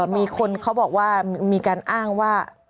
มีคนเขาบอกว่ามีการอ้างว่า